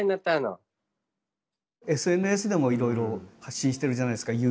ＳＮＳでもいろいろ発信してるじゃないですか。